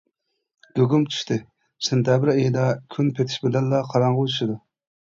گۇگۇم چۈشتى، سېنتەبىر ئېيىدا كۈن پېتىش بىلەنلا قاراڭغۇ چۈشىدۇ.